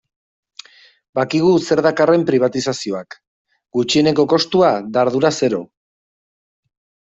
Badakigu zer dakarren pribatizazioak, gutxieneko kostua eta ardura zero.